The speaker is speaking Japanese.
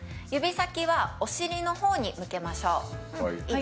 指先はお尻の方に向けましょう。